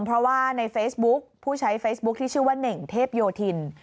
เพราะว่าในเฟซบุ๊คผู้ใช้เฟซบุ๊คที่ชื่อว่าเน่งเทพโยธิน